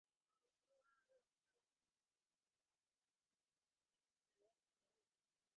আমাদের বঙ্গীয় পূর্বপুরুষগণের ধর্মপ্রচারকার্যে মহোৎসাহের কীর্তিস্তম্ভস্বরূপ ঐগুলি আজ পর্যন্ত বিরাজমান।